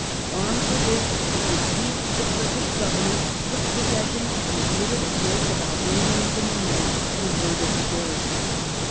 Armed with this he deceived the Turkish Governor, took possession, and admitted a force of Albanians in the night, who murdered the garrison.